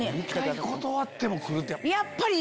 ２回断っても来るって。